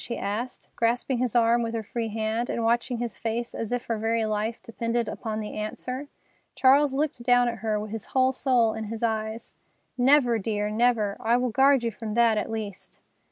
she asked, grasping his arm with her free hand and watching his face as if her very life depended upon the answer. Charles looked down at her, his whole soul in his eyes. "Never, dear, never. I will guard you from that, at least."